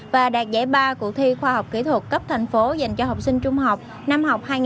và đạt giải ba của thi khoa học kỹ thuật cấp thành phố dành cho học sinh trung học năm học hai nghìn một mươi tám hai nghìn một mươi chín